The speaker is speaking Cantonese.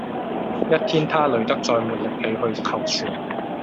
一天他累得再沒力氣去求存